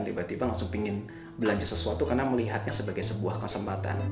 tiba tiba langsung ingin belanja sesuatu karena melihatnya sebagai sebuah kesempatan